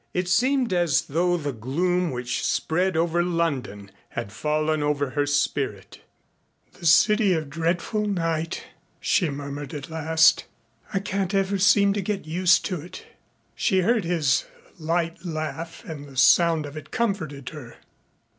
It seemed as though the gloom which spread over London had fallen over her spirit. "The City of Dreadful Night," she murmured at last. "I can't ever seem to get used to it." She heard his light laugh and the sound of it comforted her.